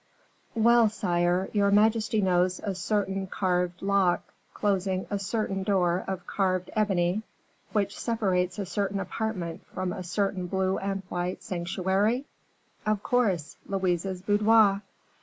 "Well, sire; your majesty knows a certain carved lock, closing a certain door of carved ebony, which separates a certain apartment from a certain blue and white sanctuary?" "Of course; Louise's boudoir."